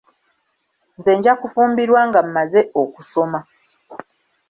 Nze nja kufumbirwa nga mmaze okusoma.